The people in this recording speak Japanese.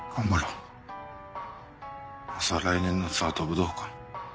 まずは来年のツアーと武道館。